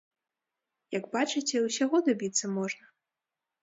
Як бачыце, усяго дабіцца можна.